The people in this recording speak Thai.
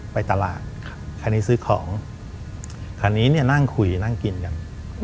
ไปตลาดคันนี้ซื้อของคันนี้เนี่ยนั่งคุยนั่งกินกัน